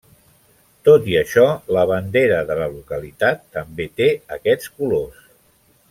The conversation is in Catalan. Tot i això, la bandera de la localitat també té aquests colors.